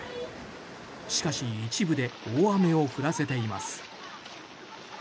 しかし、一部で大雨を降らせています。